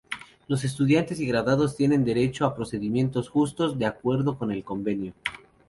Los estudiantes y graduados tienen derecho a procedimientos justos, de acuerdo con el Convenio.